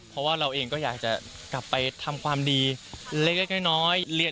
เพราะว่าเราเองก็อยากจะกลับไปทำความดีเล็กน้อย